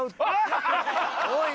おい！